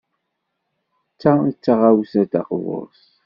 Ta d taɣawsa taqburt.